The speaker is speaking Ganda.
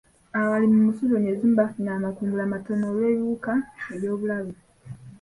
Abalimi mu sizoni ezimu bafuna amakungula matono olw'ebiwuka eby'obulabe.